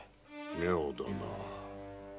妙だな。